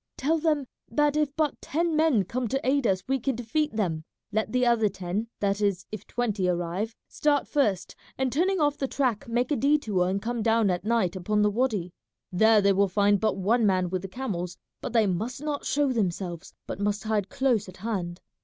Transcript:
Tell them that if but ten men come to aid us we can defeat them; let the other ten, that is if twenty arrive, start first, and turning off the track make a detour and come down at night upon the wady. There they will find but one man with the camels; but they must not show themselves, but must hide close at hand.